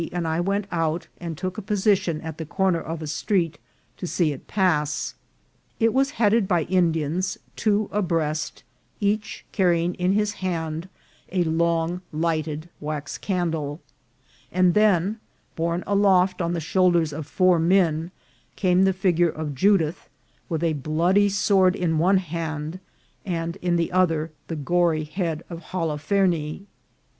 and I went out and took a position at the corner of a street to see it pass. It was headed by Indians, two abreast, each carrying in his hand a long lighted wax candle ; and then, borne aloft on the shoulders of four men, came the figure of Judith, with a bloody sword in one hand, and in the other the gory head of Holofernes.